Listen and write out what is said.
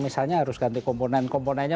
misalnya harus ganti komponen komponennya